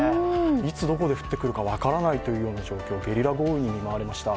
いつ、どこで降ってくるか分からないという状況、ゲリラ豪雨に見舞われました。